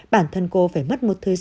bản thân cô phải mất một thời gian dài